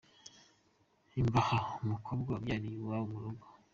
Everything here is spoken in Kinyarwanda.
Imbaha: umukobwa wabyariye iwabo mu rugo.